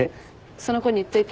その子に言っといて。